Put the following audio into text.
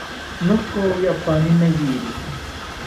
Nokoyi apani meyiri